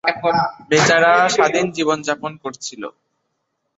বেচারা স্বাধীন জীবন যাপন করছিল।